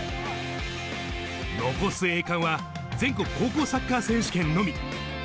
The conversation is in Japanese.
残す栄冠は、全国高校サッカー選手権のみ。